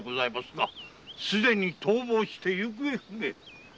宗玄は逃亡して行方不明。